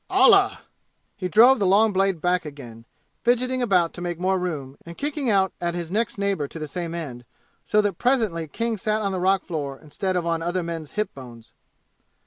"Allah!" He drove the long blade back again, fidgeting about to make more room and kicking out at his next neighbor to the same end, so that presently King sat on the rock floor instead of on other men's hip bones.